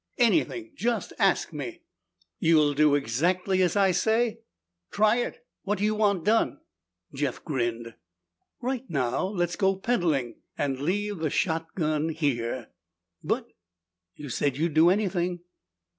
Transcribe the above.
"Anything! Just ask me!" "You'll do exactly as I say?" "Try it! What do you want done?" Jeff grinned. "Right now let's go peddling and leave the shotgun here." "But " "You said you'd do anything."